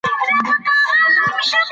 بڼه که ناوړه شي، معنا پیکه کېږي.